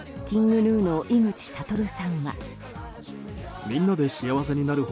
ＫｉｎｇＧｎｕの井口理さんは。